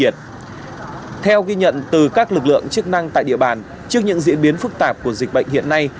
theo ghi nhận từ các lực lượng chức năng tại địa bàn trước những diễn biến phức tạp của dịch bệnh hiện nay